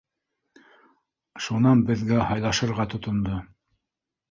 Шунан беҙгә һайлашырға тотондо: